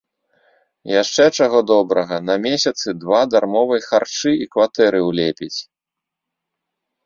Яшчэ, чаго добрага, на месяцы два дармовай харчы і кватэры ўлепіць!